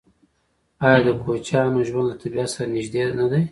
آیا د کوچیانو ژوند له طبیعت سره نږدې نه دی؟